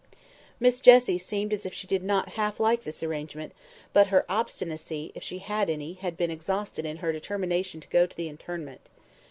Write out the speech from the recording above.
Miss Jessie seemed as if she did not half like this arrangement; but her obstinacy, if she had any, had been exhausted in her determination to go to the interment.